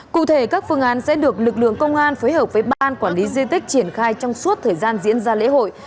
cụ thể các phương án sẽ được lực lượng công an phối hợp với ban quản lý di tích triển khai trong suốt thời gian diễn ra lễ hội